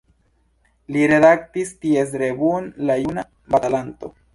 Li redaktis ties revuon La Juna Batalanto.